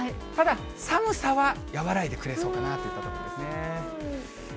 ただ寒さは和らいでくれそうかなというところですね。